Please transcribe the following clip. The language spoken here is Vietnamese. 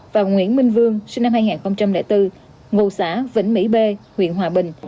và nguyễn minh vương sinh năm hai nghìn bốn ngụ xã vĩnh mỹ b huyện hòa bình